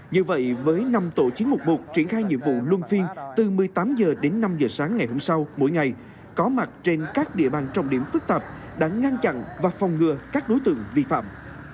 như vậy với năm tổ chín trăm một mươi một triển khai nhiệm vụ luân phiên từ một mươi tám h đến năm h sáng ngày hôm sau mỗi ngày có mặt trên các địa bàn trọng điểm phức tạp đã ngăn chặn và phòng ngừa các đối tượng vi phạm